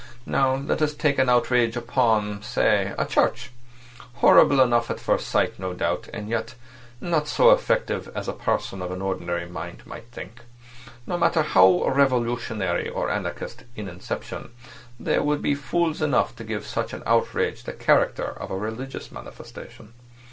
Now let us take an outrage upon—say a church. Horrible enough at first sight, no doubt, and yet not so effective as a person of an ordinary mind might think. No matter how revolutionary and anarchist in inception, there would be fools enough to give such an outrage the character of a religious manifestation.